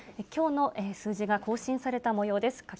きょうの数字が更新されたもようです。